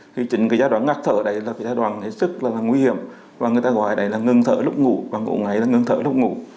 thì chính giai đoạn ngắt thở đấy là giai đoạn nguy hiểm và người ta gọi là ngừng thở lúc ngủ và ngủ ngáy là ngừng thở lúc ngủ